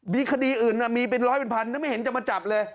มีคดีอื่นมีเป็นร้อยเป็นพันไม่เห็นจะมาจับเลย